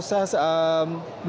dan itu merupakan proses